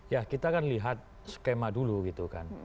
ya kita kan lihat skema dulu gitu kan